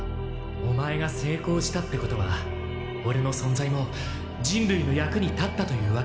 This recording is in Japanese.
オマエが成功したってことはオレの存在も人類の役に立ったというわけか。